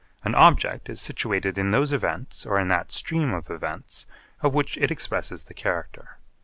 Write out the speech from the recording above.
An object is situated in those events or in that stream of events of which it expresses the character.